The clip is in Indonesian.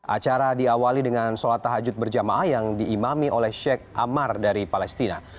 acara diawali dengan sholat tahajud berjamaah yang diimami oleh sheikh amar dari palestina